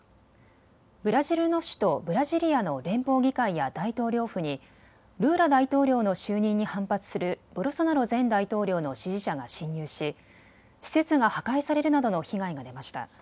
ブラジルの首都ブラジリアの連邦議会や大統領府にルーラ大統領の就任に反発するボルソナロ前大統領の支持者が侵入し施設が破壊されるなどの被害が出ました。